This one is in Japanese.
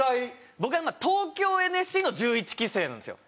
僕は東京ＮＳＣの１１期生なんですよ。